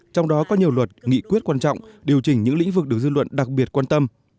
trong đó có nhiều luật nghị quyết quan trọng điều chỉnh những lĩnh vực được dư luận đặc biệt quan tâm